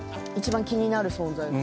一番気になる存在？